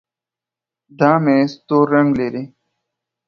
دا ميز تور رنګ لري.